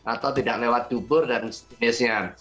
atau tidak lewat dubur dan seterusnya